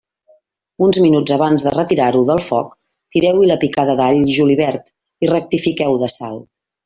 Uns minuts abans de retirar-ho del foc, tireu-hi la picada d'all i julivert i rectifiqueu de sal.